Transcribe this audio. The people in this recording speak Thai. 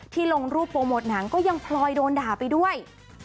ลงรูปโปรโมทหนังก็ยังพลอยโดนด่าไปด้วย